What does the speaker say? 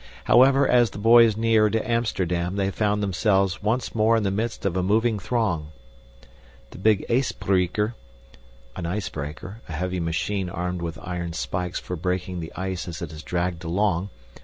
However, as the boys neared Amsterdam, they found themselves once more in the midst of a moving throng. The big ysbreeker *{Icebreaker. A heavy machine armed with iron spikes for breaking the ice as it is dragged along.